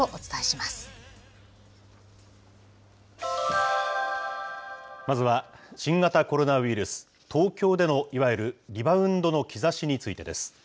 まずは、新型コロナウイルス、東京でのいわゆるリバウンドの兆しについてです。